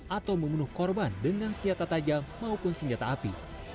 atau membunuh korban dengan senjata tajam maupun senjata api